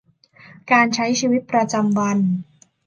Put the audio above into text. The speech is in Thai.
การใช้ชีวิตประจำวัน